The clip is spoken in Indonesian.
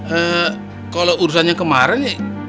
eh kalau urusannya kemarin nih